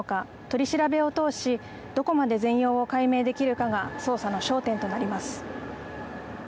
取り調べを通しどこまで全容を解明できるかが捜査の焦点となります。